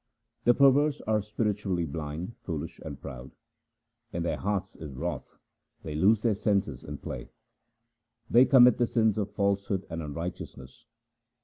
The perverse are spiritually blind, foolish, and proud. In their hearts is wrath ; they lose their senses in play. 1 They commit the sins of falsehood and unrighteousness.